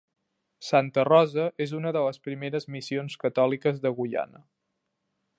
Santa Rosa és una de les primeres missions catòliques de Guyana.